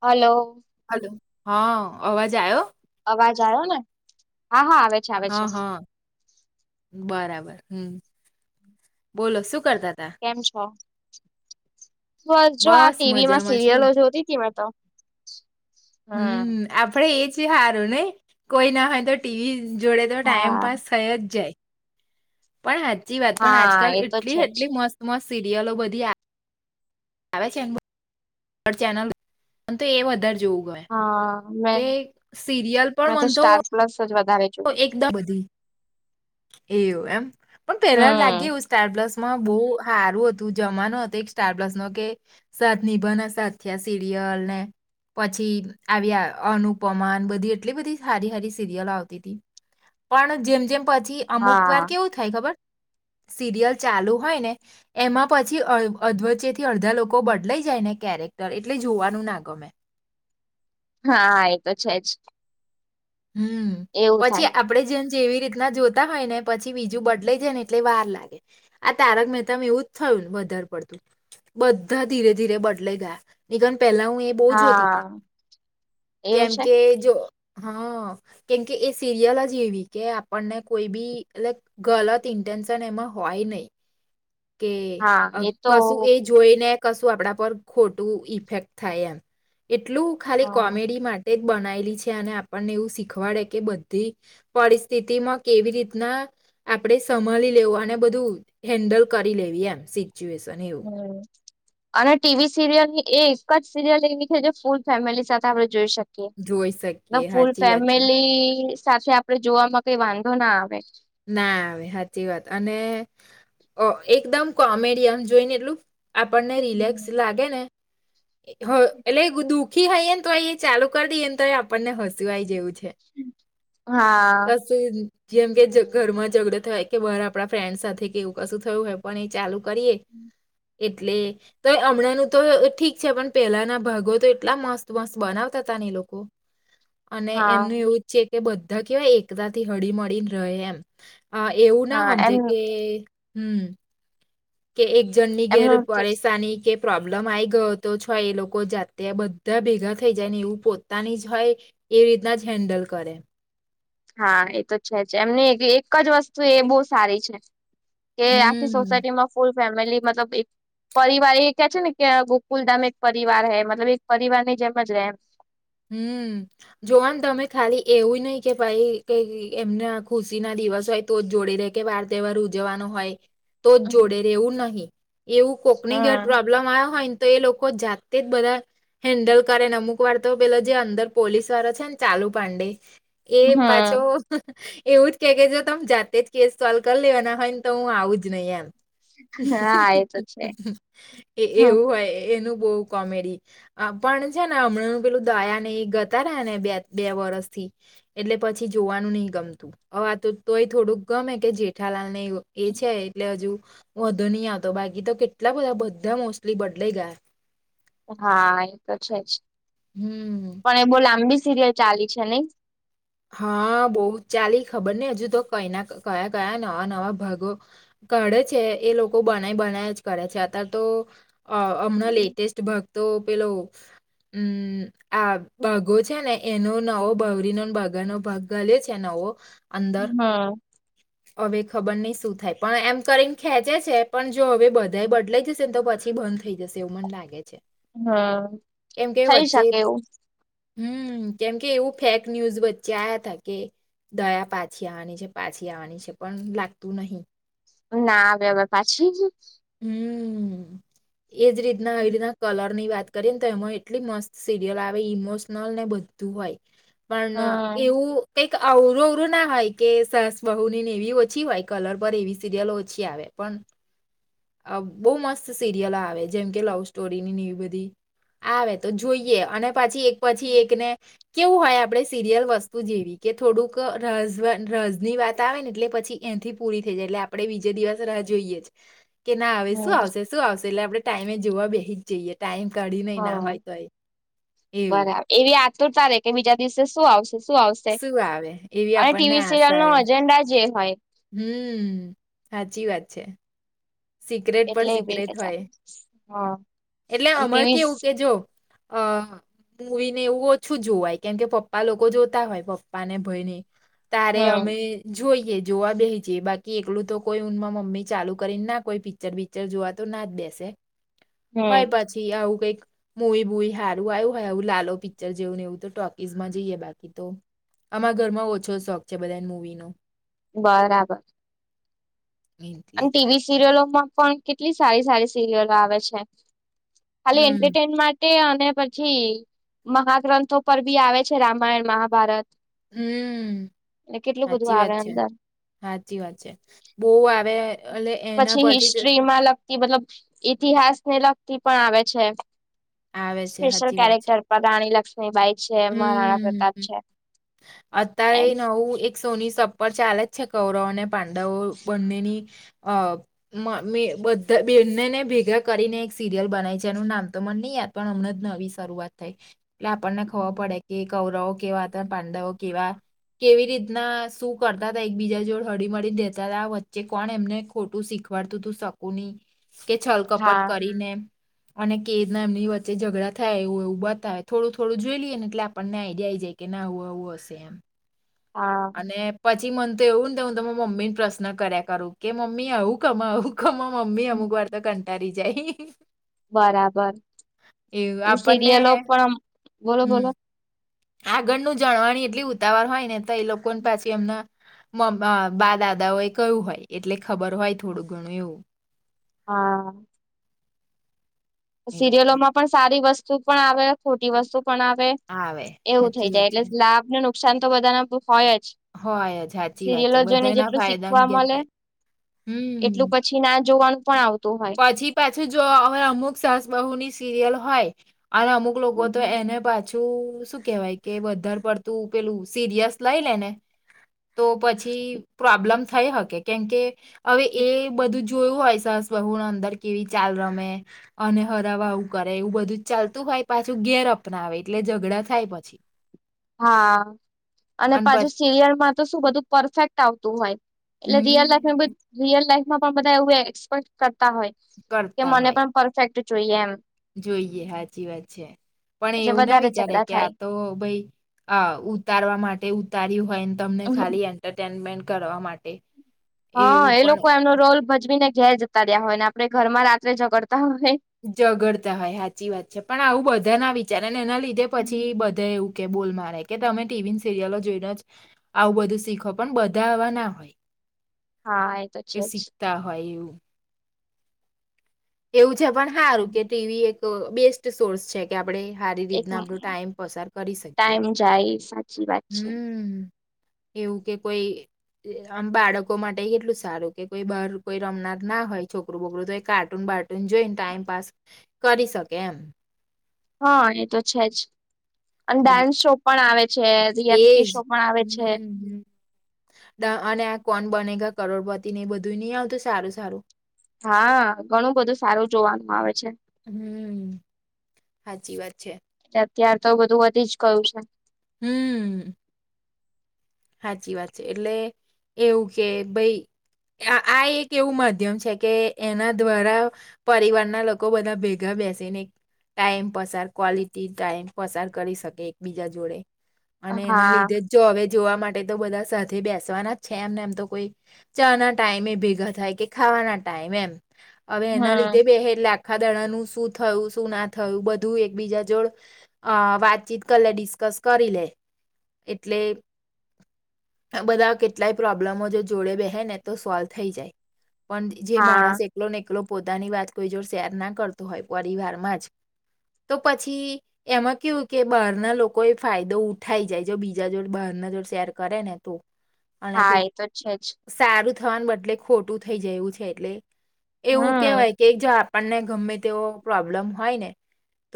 Hello hello, હા અવાજ આયો અવાજ આયો, ને હા, હા આવે છે આવે છે હા, હા બરાબર હમ, બોલો શું કરતા તા કેમ છો બસ જો આ ટીવીમાં મજામાં છું સિરિયલો જોતી તી મેં તો [inaudible] હમ આપડે એ જ હારું ને કોઈ ના હોય તો ટીવી જોડે તો ટાઈમ હા પાસ થઈ જ જાય પણ હાચી વાત પણ હા આજકાલ એ તો એટલી છે જ એટલી મસ્ત મસ્ત સિરિયલો બધી આ આવે છે ચેનલ તો એ વધારે જોવું ગમે હા મે કે સિરિયલ પણ મેં તો મંતો સ્ટાર પ્લસ જ વધારે જોવ એકદમ બધી એવું એમ પણ પેલા લાગે હમ એવું સ્ટાર પ્લસ મા હારું હતું જમાનું હતું એક સ્ટાર પ્લસ નો કે સાથ નિભના સાથિયા સિરિય હાલ પછી આવી અનુપમાને બધી એટલી બધી હારી હારી સિરિયલ આવતી તે દિન પણ જેમ જેમ પછી અમુક વાર હા કેવું થાય ખબર સિરિયલ ચાલુ હોય ને એમાં પછી અવ અધવચ્ચેથી અડધા લોકો બદલાઈ જાય ને ક્યારેક ક એટલે જોવાનું ના ગમે હા એક તો છે જ હુમ એવું થાય પછી આપડે જેમ જેવી રીતના જોતા હોય ને પછી બીજું બદલાઈ જાય ને એટલે વાર લાગે આ તારક મેતામાં એવું જ થયુ બોલ વધારે પડતું બધાં ધીરે ધીરે બદલા ગયા નીકન પહેલા હું એ બહુ જોતી તી હા એવું કેમ છે કે જો હા-' કેમકે એ સિરિયલ જ એવી કે આપણને કોઈ બી એ ગલત ઇન્ટેન્શન એમાં હોય કઈ નઈ કે હા અ એ તો કશું એ જોઈ ને કશું આપણા પર ખોટું ઇફેક્ટ થાય એમ એટલું ખાલી હા કોમેડી માટે બનાયેલી છે અને આપણને એવું શીખવાડે કે બધી પરિસ્થિતિમાં કેવી રીતના આપણે સમાળી લેવું અને બધું હેન્ડલ કરી લેવી એમ સિચ્યુએશન એવું હમ અને ટીવી સીરિયલની એ એક જ સીરિયલ એવી છે ફૂલ ફેમિલી સાથે આપડ જોઈ શક જોઈ કીએ શકીએ ફૂલ હાચી વાત છે. ફેમિલી સાથે આપડે જોવામાં કઈ વાંધો ના આવે ના હવે હાચી વાત અને ઓ એકદમ કોમેડિયન જોઈને એટલું આપણને રિલેક્સ લાગેને [inaudible] એ હ એટલે દુઃખી હોઈને તો એ ચાલુ કરી દઈએને તો એ આપણને હસવું આય જેવું છે હા [unintelligible] જેમ કે જગ ઘરમાં ઝઘડો થાય કે બાર આપણા ફ્રેન્ડ સાથે કે એવું કશું થયું હોય પણ એ ચાલુ કરીએ એટલે તો હમણાં ન તો ઠીક છે પણ પેલાના ભાગો તો એટલા મસ્ત મસ્ત બનાવતા તા અને એ લોકો અને હા એમનું એવું જ છે કે બધા કવાય એકતા થી હળી મળળીને રહે એમ અ એવું હા ના સમજે એમ કે હુમ કે એક જણ ની ઘેર એમનું તો પરેશાની કે પ્રોબ્લેમ આ ગયો તો છે એ લોકો જાતે બધા ભેગા થઈ જાય ને એવું પોતાની જ હોય એ રીતના જ હેન્ડલ કરે હા એ તો છે જ એમની એક જ વસ્તુ એ બહુ સારી છે કે આખી હમ સોસાયટી માં ફૂલ ફેમિલી મતલબ એક પરિવાર એ કે છે ને કે ગોકુલધામ એક પરિવાર હૈ મતલબ એક પરિવાર નહી જેમ જ રેમ હુમ જોવાનું તમે ખાલી એવું નહીિ કે ભાઈ કઈ એમના ખુશી ના દી દિવસ હોય તો જ જોડી રે કે વાર તહેવાર ઉજવવાનો હોય તો જ જોડે રહેેવું નહીિ એવું કોકની ઘેર હમ પ્રોબ્લેમ આવ હોય ને તો એ લોકો જાતે જ બધા હેન્ડલ કરે ને અમુક વાર તો પેલા જે અંદર પોલીસ વાળો છે ને ચાલુ પાંડે એ પાછો હમ એવું જ કે કે જો તમે જાતે જ કેસ સોલ્વ કરી લેવાના હોય ને તો હું આવું જ નહીિ એમ હા એ તો છે હમ એવું હોય એનું બવ કોમેડી અ પણ છે ને હમ પેલું દાયા નહી ગતા રહ્યા ને બે બે વરસ થી એટલે પછી જોવાનું નહિ ગમતું વા તો તોય થોડુંક ગમે કે જેઠાલાલ ને એ છે એટલે હજુ વધુ નહી આવતો બાકી તો કેટલા બધા બધા મોસ્ટલી બદલાઈ ગયા. હા એ તો છે જ હમ પણ એ બો લાંબી સિરિયલ ચાલી છે નહી હા બઉ ચાલી ખબર ની હજુ તો કયના કયા કયા નવા નવા ભાગો કાઢે છે એ લોકો બનાય બનાય જ કરે છે અત તો અમણાં હમ લેટેસ્ટ ભા તો પેલો હમ આ બઘો છે ને એનો નવો બૌરીનો ભ ગાનો ભાગ ગયલો છે નેવો હા હવે ખબર નહી શું થાય પણ એમ કરીને ખેંચે છે પણ જો હવે બધા બદલાઈ જશે ને તો પછી બંધ થઈ જશે એવું મન લાગે છે હમ એમ કેવું થઈ વચ્ચે શકે એવું હમ કેમકે એવું ફેક ન્યુઝ બ ચ્યા હતા કે દયા પાછી આવાની છે પાછી આવાની છે પણ લાગતું નહી ના આવે હવે પાછી હમ એજ રીતના એ રીતના કલર ની વાત કરીએ ને તો એમાં એટલી મસ્ત સિરિયલ આવે ઇમોશનલ ને બધું હોય પણ હમ એવું કઈક આવરું અવરું ના હોય કે સાસ બહુ ની ને એવી ઓછી હોય કલર પર એવી સિરિલ ઓછી આવે પણ હમ બહ મસ્ત સિરિયલ આવે જેમ કે લવ સ્ટોરીની ની એવી બધી આવે તો જોઈએ અને પછી એક પછી એકને કેવું હોય આપડે સીરિયલ વસ્તુ જેવી કે થોડુંક રાઝ વ રાઝની વાત આવે ને એટલે પછી એ થી પૂરી થઈ જાય એટલે આપડે બીજે દિવસ રાહ જોઈએ જ કે ના આવે શું હમ આવશે શું આવશે એટલે આપડે ટાઈમે જોવા બેહી જઈએ ટાઈમ કાઢી નહીં ના હા હોય તો એવું બરા એવી આતુરતા રે કે બીજા દિવસે શું આવશ શું આવશે શું આવે એવી અને આપણને ટીવી સિરિયલ આશા નો રહે અજન્ડા જે હોય હમ હાચી વાત છે. સિક્રેટ પણ એટલે એ સિક્રેટ રીતે ચાલે હોય હા એટલે અને અમાર ટીવી કેવું કે જો અ મૂવી ને એવું ઓછું જોવાય કેમ કે પપ્પા લોકો જોતા હોય પપ્પા ને ભય ને તારે હમ અમે જોઈએ જોવા બેહી જઈએ બાકી એકલું તો કોઈ ઊનમાં મમ્મી ચાલુ કરીને ના કોઈ પિક્ચર બિક્ચર જોવા તો ના જ બેસે હમ હોય પછી આવું કઈક મુઈ બુઈ હારું આયું હોય આવું લાલ પિક્ચર જેવું ને એવું તો ટોકીસમાં જઈએ બાકી તો આમા ઘરમાં ઓછો શોખ છે બધા મૂવીનો બરાબર અને એટલે ટીવી સિરિયલોમાં પણ કેટલી સારી સારી સિરિયલો આવે છે. ખાલી હમ એન્ટરટેન માટે અ ને પછી મહાગ્રંથો પર ભી આવે છે રામાયણ મહાભારત હમ અને કેટલું બધું હાચી આવે વાત છે અંદર હાચી વાત છે બો આવે એટલે એના પછી પરથી જ હિસ્ટ્રીમાં લગતી મતલબ ઈતિહાસ ને લગતી પણ આવે છે આવે છે સ્પેશિયલ હાચી વાત છે. કેરેક્ટર પદાણી લગ બાઈ છે મહરાણા હમ્મ. પ્રતાપ છે એમ અત્યારે નવું એક સોની સપર ચાલે જ છે કૌરવ અને પાંડવો બંનેની અ મ મી બધા બેને ને ભેગા કરીને એક સિરિયલ બનાય છે એનું નામ તો મને ની યાદ પણ હમણાં નવી શરૂઆત થઈ એટલે આપણને ખબર પડે કે કૌરવો કેવા હતા પાંડવો કેવા કેવી રીતના શું કરતા હતા એક બીજા જોડ હળી મળી દેતા હતા વચ્ચે કોણ એમને ખોટું શીખ ખવાડ તુ તું શકુંની કે છલ કપટ હા કરીને અને કેદ ના એમની વચ્ચે ઝઘડા થાય, એવ એ ઉ બા થાય થોડું, થોડું જોઈ લ ને એટલે આપણને આઈડિયાઈ જાય, કે ના હું, આવવું હશે એમ હા પાછી મન તો એવું ને હું, તમે મમ્મી ને પ્રશ્ન કર્યા કરું, કે મમ્મી આવું કમા આવું માં મમ્મી અમુક વાર, તો કંટાળી જાય બરાબર એવું એ આપણને સિરિયલો પણ બોલો હમમ બોલો આગળનું જાણવાણી એટલી ઉતાવર હોય, ને તો એ લોકો પાછી એમના મ્ બા દાદાઓ એ કયું હોય, એટલે ખબર હોય, થોડું ઘણું એવું હા એટલે સિરિયલોમા પણ સારી, વસ્તુ પણ આવે ખોટી વસ્તુ પણ આવે આવે એવું થઈ સાચી વાત જાય, છે એટલે લાભને નુકસાન તો બધાને હોય જ હોય જ સાચી વાત છે સિરિયલો જોઈને, બધાના જેટલું ફાયદા ને શીખવા મળે ગેરફાયદા હમ એટલું પછી, ના જોવાનું પણ આવતું હોય પછી, પાછું જો હવે અમુક સાસબહુની સિરિયલ હોય. અને અમુક લોકો, તો એને બ જ પાછું શું કેવાય, કે બારે પડતું પેલું સિરિયસ લઈ લે ને તો પછી પ્રોબ્લેમ થઈ, હકે કેમકે હવે એ બધું જોયું હોય, સરસ હુ, અંદર કેવી ચાલ રમે અને હરાવા, આવું કરે એવું બધું ચાલતું, ભાઈ પાછું ઘેર સપના, આવે એટલે ઝઘડા થાય, પછી હા, અને પાછું સિરિયલમાં, તો શું બધું પરફેક્ટ આવતું હોય એટલે રિયલ હમ લાઈફ, રીયલ લાઈફમાં પણ બધા, એવું એક્સપેક કર હોય, કે કરતા મને હોય પણ પરફેક્ટ જોઈએ, એમ જોઈએ સાચી વાત છે, પણ એટલે એવું ના વધારે વિચારે ઝઘડા કે થાય. આ તો ભાઈ અ ઉતારવા માટે ઉતાર્યું હોયને, તમને ખાલી એન્ટરટેનમેન્ટ કરવા માટે એવું હા, એ પણ લોકો એમનો રોલ ભજવીને ઘેર જતા રહ્યા હોય, ને આપડે ઘરમાં રાત્રે ઝગડ ઝગડતા હોય, સાચી વાત છે, પણ આવું બધા ના વિચાર અને એના લીધે પછી બધા એવું કે બોલ મારે કે તમે ટીવી સિરિયલો જોઈને, જ આવું બધું શીખો, પણ બધા આવા ના હોય. હા તો એ છે જ. શીખતા હોય, એવું એવું છે, પણ સારું કે ટીવી એક બેસ્ટ સોર્સ છે, કે આપણે સારી એક રીતના આપણું ટાઈમ પસાર કરી શકીએ, ટાઈમ જાય સાચી વાત છે હમ્મ. એવું, કે કોઈ આમ બાળકો માટે કેટલું સારું કે કોઈ બર કોઈ રમનારના હોય, છોકરું, બોકરું તો કાઢ ટ બાટન જોઈને, ટાઈમપાસ કરી શકે એમ હા, એ તો છેજ, અને એટલે ડાન્સ શો પણ આવે છે રિયાલિટી એજ, શો પણ આવે છે. અને આ કોણ બનેગ કરોડપતિ નને એ બધું નહી, આવતું સારું સારું હા, ઘણું બધું સારું જોવાનું, આવે છે. હમ, સાચી વાત છે. અત્યાર, તો બધું વધી જ કયું છે. હમ્મ. સાચી વાત છે, એટલે એવું કે ભાઈ આ એક એવું માધ્યમ છે, કે એના દ્વારા પરિવારના લોકો બધા ભેગા બેસીને ટાઈમ પસાર ક્લિટી, ટાઈમ પસાર કરી શકે એકબીજા જોડે અને એના હા. લીધે, જો હવે જોવા માટે તો બધા સાથે બેસવાના જ છે, એમને એમ, તો કોઈ ચા ના ટાઈમે ભેગા થાય કે ખાવા ટમ એમ હવે, એના લીધે હમ. બે લ આખા દણાનું શું થયું, શું ના થયું બધું એકબીજા જોડ વાતચીત, કર લે ડિસ્ક ત કરી, લે એટલે બધા કેટલાય પ્રોબ્લેમો, જો જોડે બેહે ને તો સોલ્વ થઈ, જાય પણ જે હા માણસ એકલો ને એકલો પોતાની વાત કોઈ, જો શેર ના કરતો હોય પરિવારમાં જ તો પછી એમાં કેવું કે બહારના લોકોએ ફાયદો ઉઠાઈ જાય જો બીજા જોડે બહાર ના જોડે શેર કરે ને તું અને હા કઈક એ તો છે જ સારું થવા બદલે ખોટું થઈ જાય એવું છે એટલે એવું હમ કેહેવાય કે જો આપણને ગમે તેવો પ્રોબ્લેમ હોય ને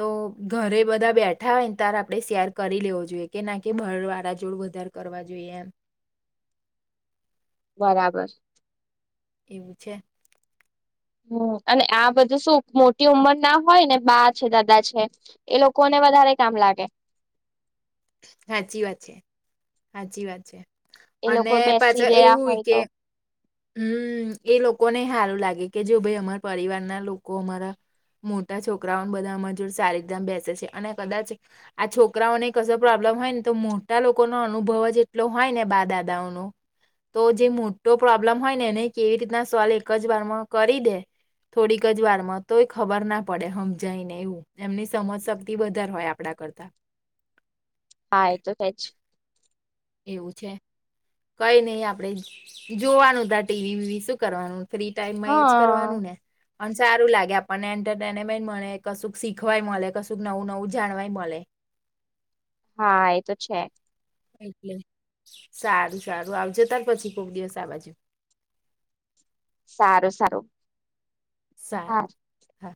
તો ઘરે બધા બેઠા હોય ને તાર આપણે શેર કરી લેવો જોઈએ કે ના કે બહારવાળા જોડે વધારે કરવા જોઈએ એમ બરાબર એવું છે હમ અને આ બધું શું મોટી ઉંમર ના હોય ને બા છે દાદા છે એ લોકો ને હમ્મ. વધારે કામ લાગે હાચી વાત છે હાચી વાત છે એ અને લોકો બેસી પાછા રહ્યા એવુંય હોય કે તો હમ એ લોકોને સારું લાગે કે જો ભાઈ અમાર પરિવાર ના લોકો અમારા મોટા છોકરાઓને બધા અમજૂર સારીધામ બેસે છે અને કદાચ આ છોકરાઓને ક પ્રોબ્લેમ હોય ને તો મોટા લોકો નો અનુભવ જ એટલો હોય ને બા દાદાઓનો તો જે મોટો પ્રોબ્લમ હોય ને એને કેવી રીતના સોલ્વ એક જ વારમાં કરી દે થોડીક જ વાર માં તોય ખબર ના પડે હમ જાય ને એવું એમની સમજ શક્તિ વધારે હોય આપડા કરતા હા એ તો છે જ એવું છે કઈ નહ આપડે જોવાનું ત ટીવી વિવી શું કરવાનું ફ્રી ટાઈમમાં એજ હા કરવાનું ને પણ સારું લાગે આપણને એન્ટરટેનમેન્ટ મળે કશુંક શીખવાય મળે કશુંક નવું નવું જાણવાય મળે [unintelligible] હા એ તો છે એટલે સારું સારું આવજ તાર પછી કોક દિવસ આ બાજુ [unintelligible] સારું સારું સારુ હા. હા